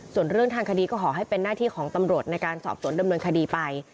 ส่วนเรื่องทางคดีก็ขอให้เป็นหน้าที่ของตำรวจในการสอบสวนดำเนินคดีไป